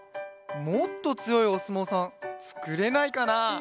もっとつよいおすもうさんつくれないかな？